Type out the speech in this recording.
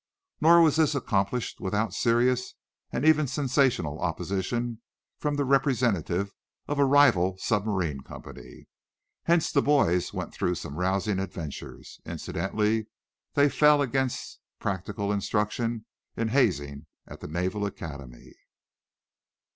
Nor was this accomplished without serious, and even sensational, opposition from the representative of a rival submarine company. Hence the boys went through some rousing adventures. Incidentally, they fell against practical instruction in hazing at the Naval Academy.